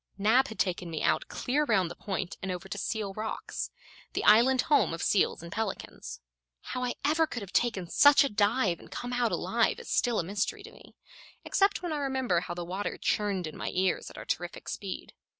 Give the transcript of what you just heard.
Nab had taken me out clear round the point and over to Seal Rocks the island home of seals and pelicans. How I ever could have taken such a dive and come out alive is still a mystery to me, except when I remember how the water churned in my ears at our terrific speed.